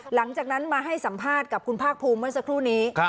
หลังจากนั้นมาให้สัมภาษณ์กับคุณภาคภูมิเมื่อสักครู่นี้